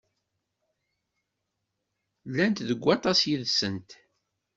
Llant deg aṭas yid-sent.